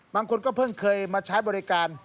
บางคนก็เพิ่งเคยมาใช้บริการ